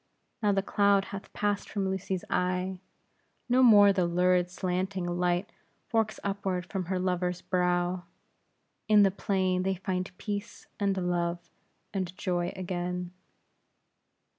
Now the cloud hath passed from Lucy's eye; no more the lurid slanting light forks upward from her lover's brow. In the plain they find peace, and love, and joy again.